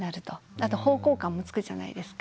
あと方向感もつくじゃないですか。